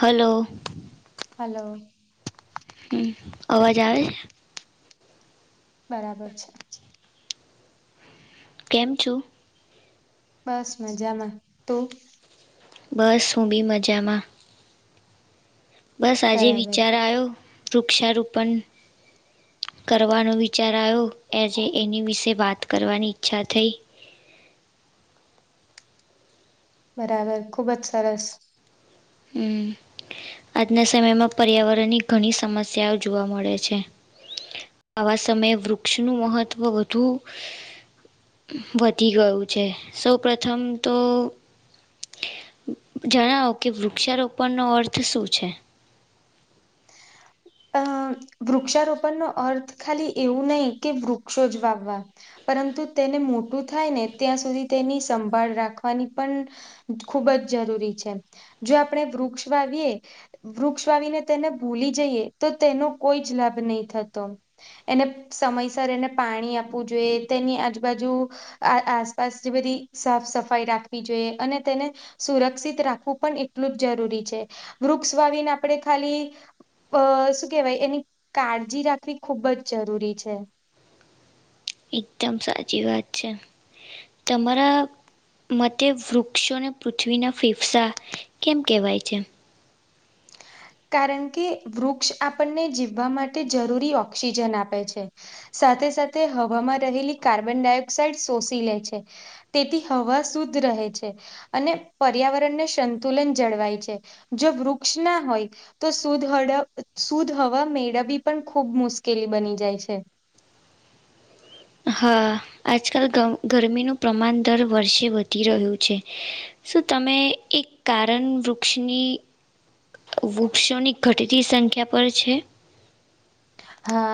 Hello. Hello. હમ અવાજ આવે? બરાબર છે. કેમ છો? બસ મજામાં તું? બસ હું બી મજામાં બસ આજે બરાબર વિચાર આયો વૃક્ષારોપણ કરવાનો વિચાર આયો આજે એની વિશે વાત કરવાની ઈચ્છા થઈ બરાબર ખુબ જ સરસ હમ. આજના સમયમાં પર્યાવરણની ઘણી સમસ્યાઓ જોવા મળે છે. આવા સમયે વૃક્ષનું મહત્ત્વ વધુ વધી ગયું છે, સૌ પ્રથમ તો જણાવો કે વૃક્ષારોપણનો અર્થ શું છે? અ વૃક્ષારોપણ નો અર્થ ખાલી એવું નહી કે વૃક્ષો જ વાવવા પરંતુ તેને મોટું થાય ને ત્યાં સુધી તેની સંભાળ રાખવાની પણ ખુબ જ જરૂરી છે, જો આપણે વૃક્ષ વાવીએ વૃક્ષ વાવીવીને તેને ભૂલી જઈએ તો તેનો કોઈ જ લાભ નહીં થતો. એને સમયસર એને પાણી આપવું જોઈએ. તેની આજુબાજુ આ આસપાસ જે બધી સાફ સફાઈ રાખવી જોઈએ અને તેને સુરક્ષિત રાખવું પણ એટલું જ જરૂરી છે, વૃક્ષ વાવીને આપણે ખાલી અ શું કેવાય એની કાળજી રાખવી ખુબ જ જરૂરી છે. એકદમ સાચી વાત છે, તમારા મતે વૃક્ષોને પૃથ્વીના ફેફસા કેમ કહેવાય છે? કારણ કે વૃક્ષ આપણને જીવવા માટે જરૂરી ઓક્સિજન આપે છે. સાથે સાથે હવામાં રહેલી કાર્બન ડાયોક્સાઇડ શોષી લે છે. તેથી હવા શુદ્ધ રહે છે. અને પર્યાવરણને સંતુલન જળવાય છે, જો વૃક્ષ ના હોય તો સુુધ હડ સુુધ હવા મેળવવી પણ ખુબ મુશ્કેલી બની જાય છે. હ આજકાલ ગમ ગરમીનું પ્રમાણ દર વર્ષે વધી રહ્યું છે. શું તમે એક કારણ વૃક્ષની? વૃક્ષોની ઘટતી સંખ્યા પર છે. હા.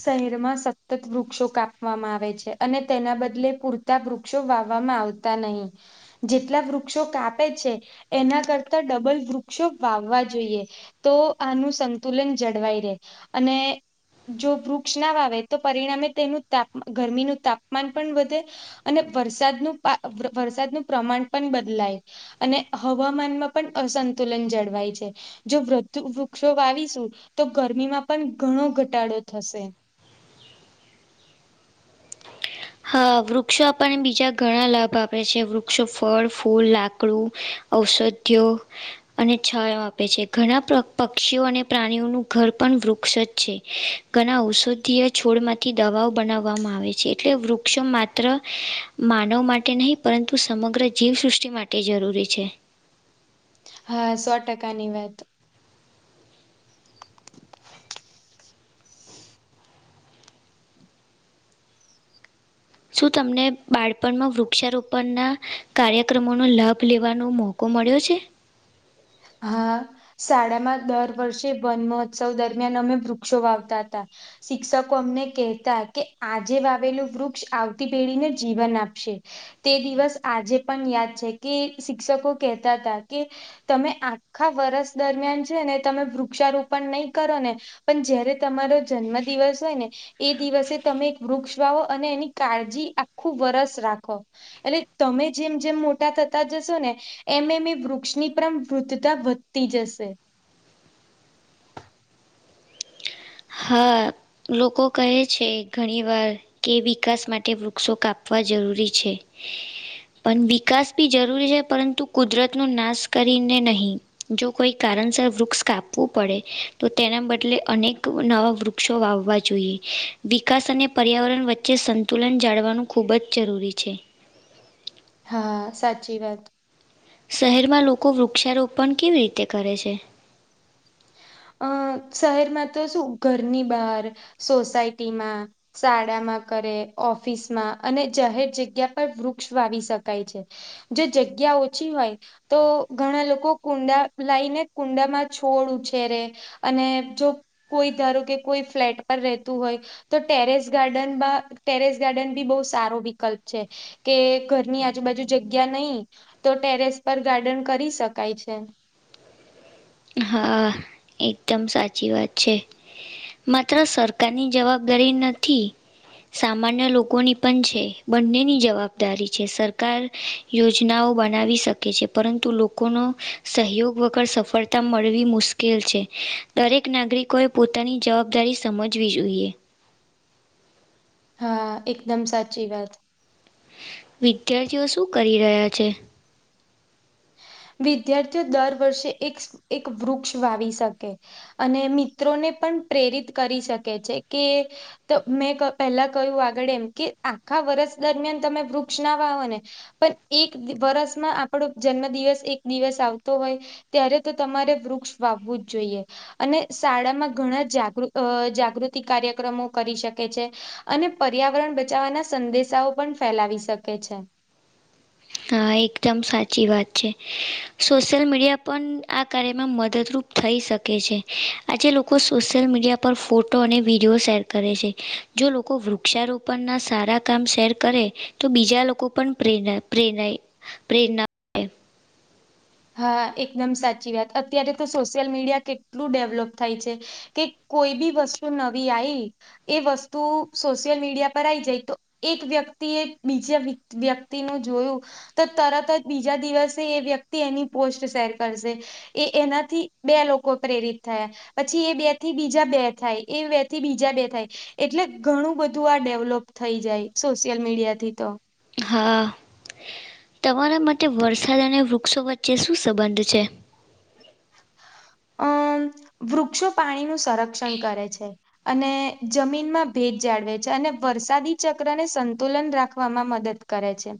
શહેરમાં સતત વૃક્ષો કાપવામાં આવે છે, અને તેના બદલે પૂર તા વૃક્ષો વાવવામાં આવતા નહીં. જેટલા વૃક્ષો કાપે છે, એના કરતા ડબલ વૃક્ષો વાવવા જોઈએ. તો આનું સંતુલન જળવાઈ રે અને જો વૃક્ષ ના વાવે તો પરિણામે તેનું તાપ ગરમીનું તાપમાન પણ વધે અને વરસાદનું પા વરસાદનું પ્રમાણ પણ બદલાય અને હવામાનમાં પણ અસંતુલન જળવાય છે. જો વૃદ્ધ વૃક્ષો વાવીશું તો ગરમીમાં પણ ઘણો ઘટાડો થશે. હ વૃક્ષો આપણને બીજા ઘણા લાભ આપે છે, વૃક્ષો ફળ, ફૂલ, લાકડું ઔષધિઓ. અને છાયો આપે છે, ઘણા પક્ષીઓ અને પ્રાણીઓનું ઘર પણ વૃક્ષ જ છે. ઘણા ઔષધીય છોડમાંથી દવાઓ બનાવવામાં આવે છે, એટલે વૃ ક્ષો માત્ર માનવ માટે નહીં પરંતુ સમગ્ર જીવસૃષ્ટિ માટે જરૂરી છે. હા સો ટકાની વાત શું તમને બાળપણમાં વૃક્ષારોપણના કાર્યક્રમોનો લાભ લેવાનો મો કો મળ્યો છે? હા શાળામાં દર વર્ષે વન મહોત્સવ દરમિયાન અમે વૃક્ષો વાવતાતા. શિક્ષકો અમને કહેતા કે આજે વાવેલું વૃક્ષ આવતી પેઢીને જીવન આપશે તે દિવસ આજે પણ યાદ છે, કે શિક્ષકો કેહેતા હતા કે તમે આખા વરસ દરમિયાન છે, ને તમે વૃક્ષારોપણ નહી કરો ને પન જયારે તમારો જન્મ દિવસ હોય ને એ દિવસે તમે એક વૃક્ષ વાવો અને એની કાળજી આખું વરસ રાખો એટલે તમે જેમ જેમ મોટા થતા જશો ને એમ એમ એ વૃક્ષની [inaudible] વૃદ્ધતા વધતી જશે. હા લોકો કહે છે, ઘણી વાર કે વિકાસ માટે વૃક્ષો કાપવા જરૂરી છે. પન વિકાસ બી જરૂરી છે, પરંતુ કુદરત નો નાશ કરીને નહીં જો કોઈ કારણસર વૃક્ષ કાપવું પડે તો તેના બદલે અનેક નવા વૃક્ષો વાવવા જોઈએ વિકાસ અને પર્યાવરણ વચ્ચે સંતુલન જાળવાનું ખૂબ જ જરૂરી છે. હા સાચી વાત શહેરમાં લોકો વૃક્ષારોપણ કેવી રીતે કરે છે? અ શહેરમાં તો શું ઘરની બહાર સોસાયટીમાં શાળામાં કરે ઓફિસમાં અને જાહેર જગ્યા પર વૃક્ષ વાવી શકાય છે. જો જગ્યા ઓછી હોય તો ઘણા લોકો કુંડા લાવીને કુંડા માં છોડ [inaudible] [unintelligible] અને જો કોઈ ધારો કે કોઈ ફ્લેટ પર રહેતું હોય. તો ટેરેસ ગાર્ડન બા ટેરેસ ગાર્ડન બી બો સારો વિકલ્પ છે. કે ઘરની આજુબાજુ જગ્યા નહી તો ટેરેસ પર ગાર્ડન કરી શકાય છે. હા એકદમ સાચી વાત છે. માત્ર સરકારની જવાબદારી નથી. સામાન્ય લોકોની પણ છે, બંનેની જવાબદારી છે, સરકાર યોજનાઓ બનાવી શકે છે, પરંતુ લોકોનો સહયોગ વગર સફળ તા મળવી મુશ્કેલ છે, દરેક નાગરિકોએ પોતાની જવાબદારી સમજવી જોઈએ. હા એકદમ સાચી વાત વિદ્યાર્થીઓ શું કરી રહ્યા છે? વિદ્યાર્થીઓ દર વર્ષે એક એક વૃક્ષ વાવી શકે અને મિત્રોને પણ પ્રેરિત કરી શકે છે, કે તો મેં ક પહેલા કહ્યું આગળ એમ કે આખા વર્ષ દરમિયાન તમે વૃક્ષ ના વાવો ને પન એક વરસમાં આપણો જન્મ દિવસ એક દિવસ આવતો હોય ત્યારે તો તમારે વૃક્ષ વાવવું જ જોઈએ. અને શાળામાં ઘણા જાગૃ અ જાગૃતિ કાર્યક્રમો કરી શકે છે. અને પર્યાવરણ બચાવવાના સંદેશાઓ પણ ફેલાવી શકે છે. હા એકદમ સાચી વાત છે, સોશિયલ મીડિયા પણ આ કાર્યમાં મદદરૂપ થઈ શકે છે, આજે લોકો સોશિયલ મીડિયા પર ફોટો અને વિડીયો શેર કરે છે. જો લોકો વૃક્ષારોપણના સારા કામ શેર કરે તો બીજા લોકો પણ પ્રેરા પ્રેરાય પ્રેરના હા એકદમ સાચી વાત અત્યારે તો સોશિયલ મીડિયા કેટલું ડેવલોપ થાય છે. કે કોઈ બી વસ્તુ નવી આયી એ વસ્તુ સોશિયલ મીડિયા પર આવી જાય તો એક વ્યક્તિએ બીજા વ્યવ્યક્તિનું જોયું તો તરત જ બીજા દિવસે એ વ્યક્તિ એની પોસ્ટ શેર કરશે એ એનાથી બે લોકો પ્રેરિત થયા પછી એ બે થી બીજા બે થાય એ બે થી બીજા બે થાય એટલે ઘણું બધું આ ડેવલોપ થઈ જાય સોશિયલ મીડિયા થી તો હા તમારા માટે વરસાદ અને વૃક્ષો વચ્ચે શું સંબંધ છે? [inaudible] અમ વૃક્ષો પાણીનું સંરક્ષણ કરે છે. અને જમીનમાં ભેજ જાળવે છે અને વરસાદી ચક્રને સંતુલન રાખવામાં મદદ- - કરે છે.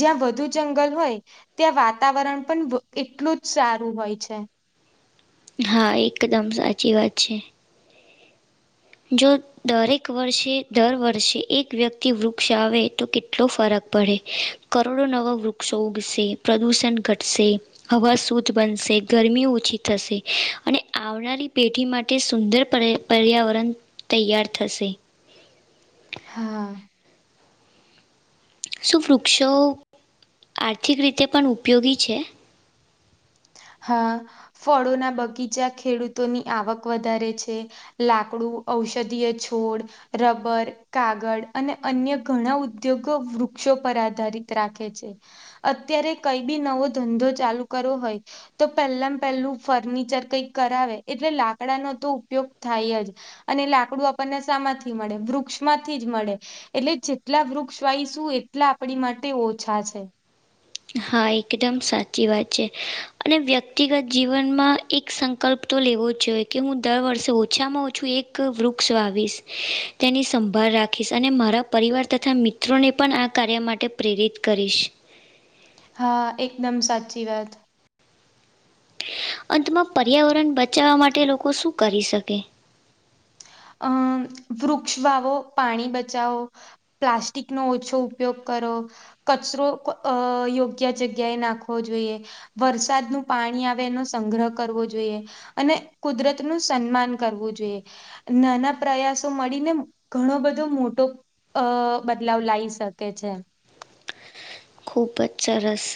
જ્યાં વધુ જંગલ હોય ત્યાં વાતાવરણ પણ એટલું જ સારું હોય છે. તો- - હા એકદમ સાચી વાત છે. જો- - દરેક વર્ષે દર વર્ષે એક વ્યક્તિ વૃક્ષ આવે તો કેટલો ફરક પડે- - કરોડો નવા વૃક્ષોગસે પ્રદૂષણ ઘટશે. હવા શુદ્ધ બનશે ગરમી ઓછી થશે અને આવનારી પેઢી માટે સુંદર પર્ય- - પર્યાવરણ તૈયાર થશે. હા. શું વૃક્ષો આર્થિક રીતે પણ ઉપયોગી છે. હા ફળોના બગીચા ખેડૂતોની આવક વધારે છે. લાકડું ઔષધીય છોડ- - રબર કાગળ અને અન્ય ઘણા ઉદ્યોગો વૃક્ષો પર આધારિત રાખે છે. અત્યારે કઈ બી નવો ધંધો ચાલુ કરો હોય. તો પહેલામ પહેલું ફર્નિચર કઈક કરાવે એટલે લાકડાનો તો ઉપયોગ થાય જ. અને લાકડું આપણને શામાંથી મળે વૃક્ષ માંથી જ મળે. એટલે જેટલા વૃક્ષ વાઈશું એટલા આપણી માટે ઓછા છે. હા એકદમ સાચી વાત છે અને વ્યક્તિગત જીવનમાં- - એક સંકલ્પ તો લેવો જ જોઈએ કે હું દર વર્ષે ઓછામાં ઓછું એક વૃક્ષ વાવીશ- - તેની સંભાળ રાખીશ અને મારા પરિવાર તથા મિત્રોને પણ આ કાર્ય માટે પ્રેરિત કરીશ. હા એકદમ સાચી વાત. અંતમાં પર્યાવરણ બચાવવા માટે લોકો શું કરી શકે. અમ વૃક્ષ વાવો પાણી બચાવો- - પ્લાસ્ટિક નો ઓછો ઉપયોગ કરો. કચરો યોગ્ય જગ્યાએ નાખવો જોઈએ. વરસાદનું પાણી આવે એનો સંગ્રહ કરવો જોઈએ. અને કુદરત નું સન્માન કરવું જોઈએ. નાના પ્રયાસો મળીને ઘણો બધો મોટો- - અ બદલાવ લાવી શકે છે. ખૂબ જ સરસ.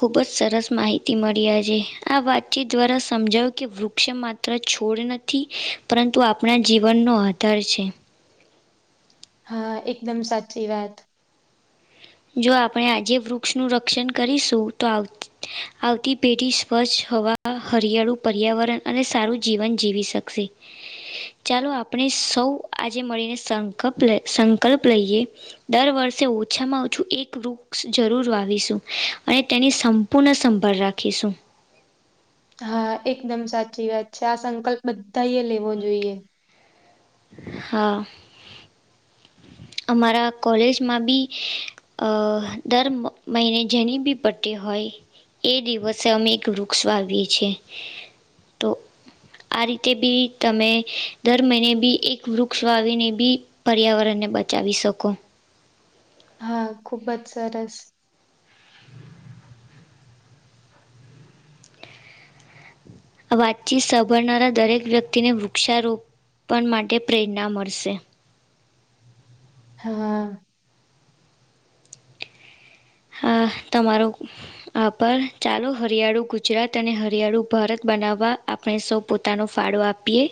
ખૂબ જ સરસ માહિતી મળી છે આ વાતચીત દ્વારા સમજાવું કે વૃક્ષ મા- - તર છોડ નથી પરંતુ આપણા જીવનનો આધાર છે. હા એકદમ સાચી વાત. જો આપણે આજે વૃક્ષનું રક્ષણ કરીશું તો આવ- - આવતી પેઢી સ્વચ્છ હવા હરિયાળુ પર્યાવરણ અને સારું જીવન જીવી શકશે. ચાલો આપણે સૌ આજે મળીને સંકલ્પ સંકલ્પ લઈએ- - દર વર્ષે ઓછામાં- - હ જો એક વૃક્ષ જરૂર વાવીશું અને તેની સંપૂર્ણ સંભાળ રાખીશું. હા એકદમ સાચી વાત છે આ સંકલ્પ બધા એ લેવો જોઈએ. હા અમારા કોલેજમાં બી- - અ દર મહિને જેની બી બર્થડે હોય- - એ દિવસે અમે એક વૃક્ષ વાવીએ છીએ તો આ રીતે બી તમે દર મહિને બી એક વૃક્ષ વાવીને બી પર્યાવરણને બચાવી શકો હા ખુબજ સરસ આ વાતચીત સાંભળનારા દરેક વ્યક્તિને વૃક્ષારોપણ માટે પ્રેરણા મળશે હા હા તમારો આ પર ચાલો હરિયાળુ ગુજરાત અને હરિયાળુ ભારત બનાવવા આપણે સૌ પોતાનો ફાળો આપીએ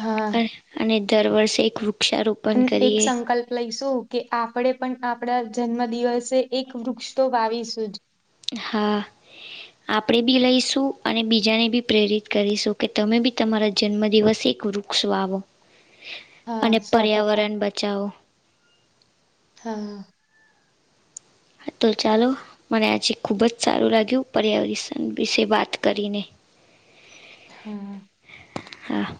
હા અને દર વર્ષે એક વૃક્ષારોપણ અને એક કરીએ સંકલ્પ લઈશું કે આપણેે પણ આપણા જન્મ દિવસે એક વૃક્ષતો વાવીશું હા આપણેે બી લઈશું અને બીજાને બી પ્રેરિત કરીશું કે તમે બી તમારા જન્મ દિવસ એક રૂપ વૃક્ષ વાવો હા અને સો ટકા પર્યાવરણ બચાવો હા હા તો ચાલો મને આજે ખુબજ સારું લાગ્યું પર્યાવરષણ વિશે વાત કરીને હા હા